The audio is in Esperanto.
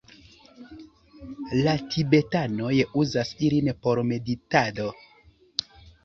La tibetanoj uzas ilin por meditado.